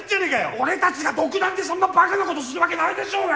俺たちが独断でそんなバカなことするわけないでしょうが！